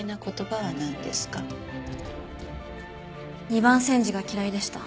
「二番煎じ」が嫌いでした。